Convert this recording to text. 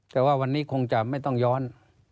แต่ว่าวันนี้คงจะไม่ต้องย้อน